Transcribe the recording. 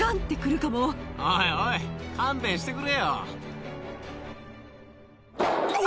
おいおい、勘弁してくれよ。